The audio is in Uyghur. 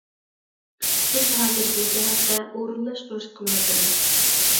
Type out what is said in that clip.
بىز ھازىر بۇ جەھەتتە ئورۇنلاشتۇرۇش قىلىۋاتىمىز.